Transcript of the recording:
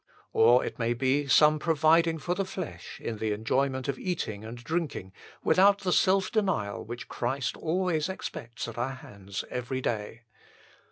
Or it may be some pro viding for the flesh in the enjoyment of eating and drinking without the self denial which Christ always expects at our hands every day.